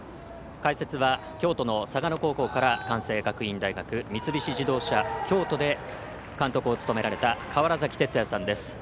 解説は京都の嵯峨野高校から関西学院大学三菱自動車京都で監督を務められた川原崎哲也さんです。